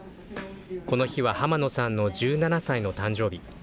この日は濱野さんの１７歳の誕生日。